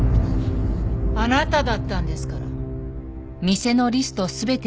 あなただったんですから。